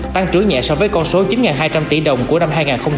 tăng trưởng nhẹ so với con số chín hai trăm linh tỷ đồng của năm hai nghìn hai mươi ba